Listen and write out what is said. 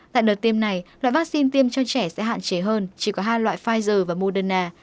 tại đợt tiêm này loại vaccine tiêm cho trẻ sẽ hạn chế hơn chỉ có hai loại pfizer và moderna